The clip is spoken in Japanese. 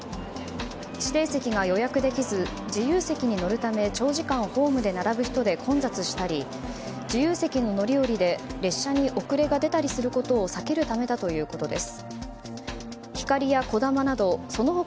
指定席が予約できず自由席に乗るため長時間ホームで並ぶ人で混雑したり自由席の乗り降りで列車に遅れが出ることを避けるためだということです。